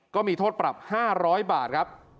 ก็มีโทษปรับ๕๐๐บาทครับ